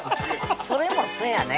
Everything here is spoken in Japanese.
それもそやね